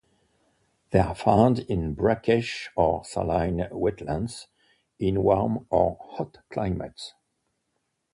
They are found in brackish or saline wetlands in warm or hot climates.